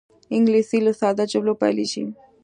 انګلیسي له ساده جملو پیلېږي